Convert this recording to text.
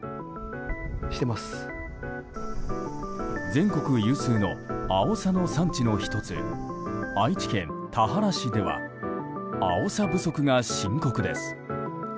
全国有数のアオサの産地の１つ愛知県田原市ではアオサ不足が深刻です。